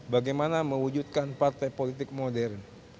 bagaimana mewujudkan partai politik modern